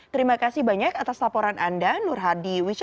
terima kasih banyak atas laporan anda nur hadi